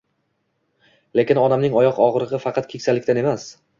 Lekin onamning oyoq og‘rig‘i faqat keksalikdan emas.